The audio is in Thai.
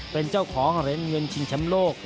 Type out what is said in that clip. เป็นเจ้าของเหรียญเงินชิงแชมป์โลก